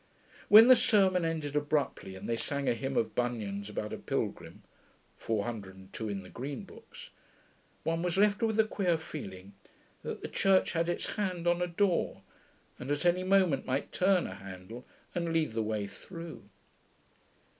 When the sermon ended abruptly, and they sang a hymn of Bunyan's about a pilgrim (402 in the green books), one was left with a queer feeling that the Church had its hand on a door, and at any moment might turn a handle and lead the way through....